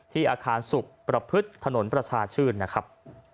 อาคารสุขประพฤติถนนประชาชื่นนะครับ